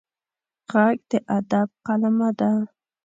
غږ د ادب قلمه ده